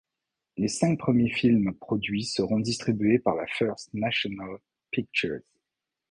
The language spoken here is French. Les cinq premiers films produits seront distribués par la First National Pictures.